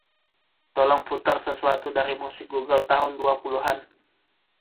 Tolong putar sesuatu dari musik google tahun dua puluhan